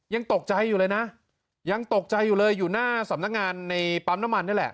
ยังตกใจอยู่เลยนะยังตกใจอยู่เลยอยู่หน้าสำนักงานในปั๊มน้ำมันนี่แหละ